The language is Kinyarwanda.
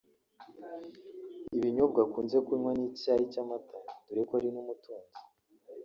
Ibinyobwa akunze kunywa ni icyayi cy’amata dore ko ari n’umutunzi